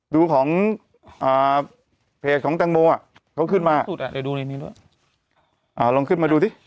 ดูของอ่าเพจของแตงโมอ่ะเขาขึ้นมาลงขึ้นมาดูสิ